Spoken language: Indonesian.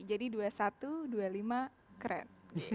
jadi dua ribu satu ratus dua puluh lima keren